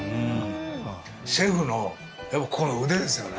シェフのやっぱこの腕ですよね。